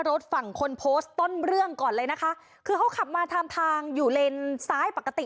รถฝั่งคนโพสต์ต้นเรื่องก่อนเลยนะคะคือเขาขับมาทางทางอยู่เลนซ้ายปกติ